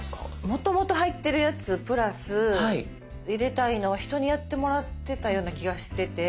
もともと入ってるやつプラス入れたいのは人にやってもらってたような気がしてて。